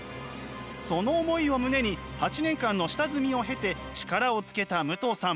その思いを胸に８年間の下積みを経て力をつけた武藤さん。